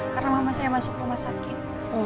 karena mama saya masuk rumah sakit